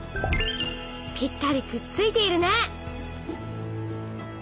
ぴったりくっついているね！